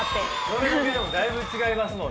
それだけでもだいぶ違いますもんね。